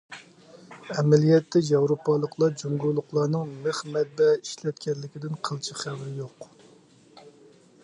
ئەمەلىيەتتە ياۋروپالىقلار جۇڭگولۇقلارنىڭ مىخ مەتبەئە ئىشلەتكەنلىكىدىن قىلچە خەۋىرى يوق.